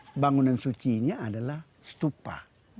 jadi maksud bangunan sucinya adalah stupa